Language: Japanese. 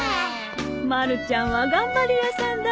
まるちゃんは頑張り屋さんだね。